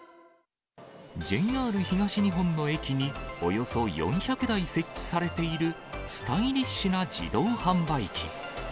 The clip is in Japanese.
ＪＲ東日本の駅におよそ４００台設置されている、スタイリッシュな自動販売機。